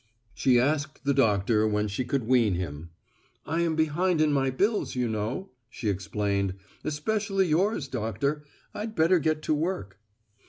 She asked the doctor when she could wean him. "I am behind in my bills, you know," she explained, "especially yours, doctor. I'd better get to work."